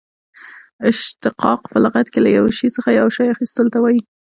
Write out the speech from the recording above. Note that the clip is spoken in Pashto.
اشتقاق په لغت کښي له یوه شي څخه یو شي اخستلو ته وايي.